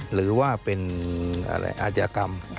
หรือว่าเป็นอาชญากรรม